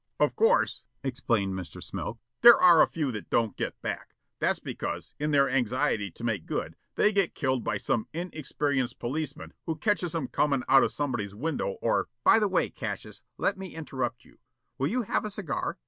"Of course," explained Mr. Smilk, "there are a few that don't get back. That's because, in their anxiety to make good, they get killed by some inexperienced policeman who catches 'em comin' out of somebody's window or " "By the way, Cassius, let me interrupt you. Will you have a cigar?